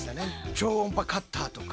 超音波カッターとか。